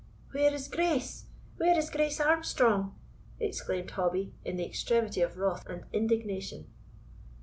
"Where is Grace? where is Grace Armstrong?" exclaimed Hobbie, in the extremity of wrath and indignation.